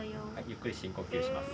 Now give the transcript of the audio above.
ゆっくり深呼吸します。